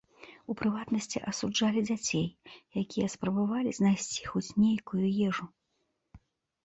У прыватнасці, асуджалі дзяцей, якія спрабавалі знайсці хоць нейкую ежу.